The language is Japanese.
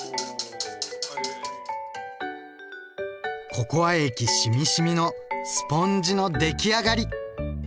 ココア液しみしみのスポンジの出来上がり。